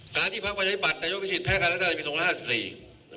การที่พักวัยใบบัตรนายกวิจิตรแพ้การรัฐศาสตร์ศูนย์๕๔